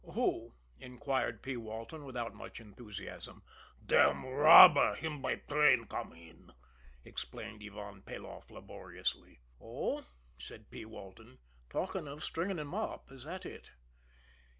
"Who?" inquired P. Walton, without much enthusiasm. "Dam' robber him by train come in," explained Ivan Peloff laboriously. "Oh," said P. Walton, "talking of stringing him up is that it?"